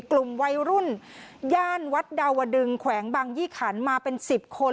กลุ่มวัยรุ่นย่านวัดดาวดึงแขวงบางยี่ขันมาเป็น๑๐คน